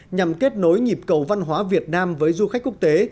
nhằm kết nối nhịp cầu văn hóa việt nam với du khách quốc tế